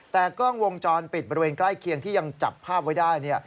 แต่กล้องวงจรปิดบริเวณใกล้เคียงที่ยังจับภาพไว้ได้